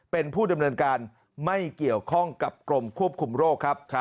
เป็นผู้ดำเนินการไม่เกี่ยวข้องกับกรมควบคุมโรคครับ